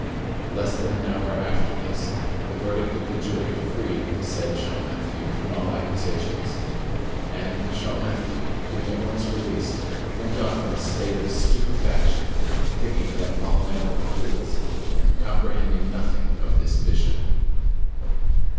Less than an hour after this, the verdict of the jury freed the said Champmathieu from all accusations; and Champmathieu, being at once released, went off in a state of stupefaction, thinking that all men were fools, and comprehending nothing of this vision.